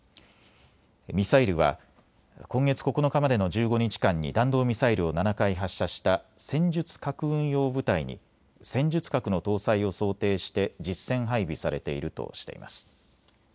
ミサイルは今月９日までの１５日間に弾道ミサイルを７回発射した戦術核運用部隊に戦術核の搭載を想定して実戦配備されているとしています。